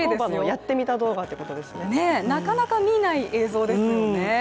なかなか見ない映像ですよね。